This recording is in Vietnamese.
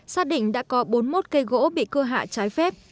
xác định đã có bốn mươi một cây gỗ bị cưa hạ trái phép